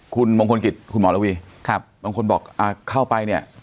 คุณมงคลกิจคุณหมอระวีครับบางคนบอกอ่าเข้าไปเนี่ย